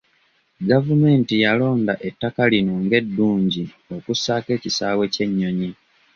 Gavumenti yalonda ettaka lino ng'eddungi okussaako ekisaawe ky'ennyonyi.